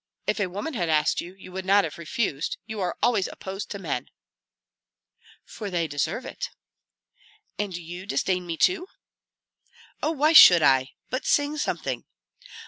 If a woman had asked, you would not have refused; you are always opposed to men." "For they deserve it." "And do you disdain me too?" "Oh, why should I? But sing something."